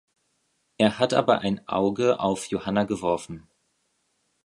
Er hat aber ein Auge auf Johanna geworfen.